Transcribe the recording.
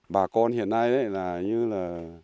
bà con hiện nay có tám mươi hai người